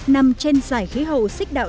nằm trên dải khí hậu